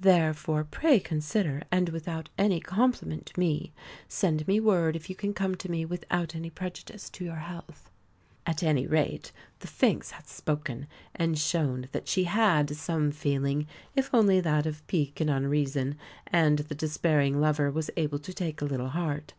Therefore, pray consider; and, without any compliment to me, send me word if you can come to me without any prejudice to your health." At any rate, the Sphinx had spoken and shown that she had some feeling, if only that of pique and unreason; and the despairing lover was able to take a little heart.